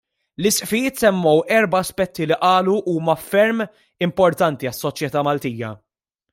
L-Isqfijiet semmew erba' aspetti li qalu huma ferm importanti għas-soċjetà Maltija.